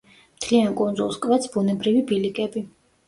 მთლიან კუნძულს კვეთს ბუნებრივი ბილიკები.